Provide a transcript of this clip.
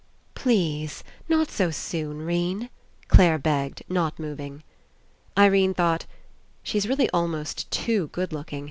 "Please, not so soon, 'Rene," Clare begged, not moving. Irene thought: ''She's really almost too good looking.